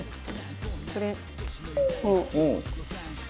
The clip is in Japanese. これ。